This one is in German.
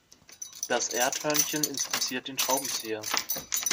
Das Erdhörnchen inspiziert den Schraubenzieher.